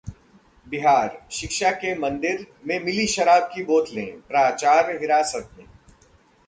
बिहारः शिक्षा के मंदिर में मिली शराब की बोतलें, प्राचार्य हिरासत में